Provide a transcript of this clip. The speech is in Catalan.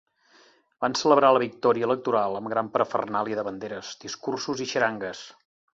Van celebrar la victòria electoral amb gran parafernàlia de banderes, discursos i xarangues.